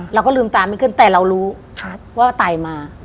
เราก็ลืมตาไม่ขึ้นแต่เรารู้ว่าไตมา